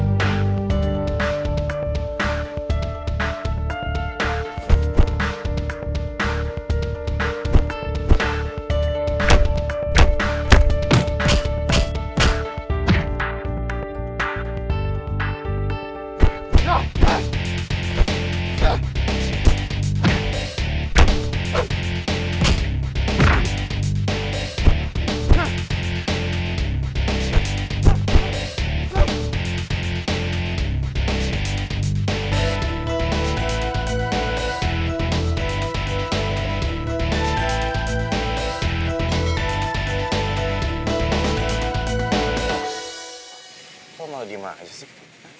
kok malah diam aja sih